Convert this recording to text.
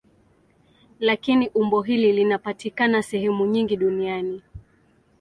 Lakini umbo hili linapatikana sehemu nyingi duniani.